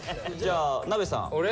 じゃあなべさん。